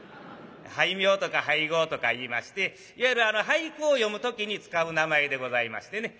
俳名とか俳号とかいいましていわゆる俳句を詠む時に使う名前でございましてね。